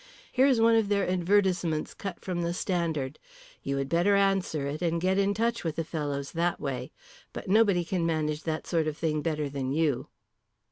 Here is one of their advertisements cut from the Standard. You had better answer it, and get in touch with the fellows that way. But nobody can manage that sort of thing better than you."